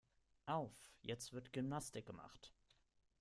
Auf, jetzt wird Gymnastik gemacht.